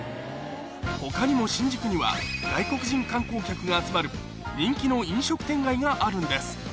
他にも新宿には外国人観光客が集まるがあるんです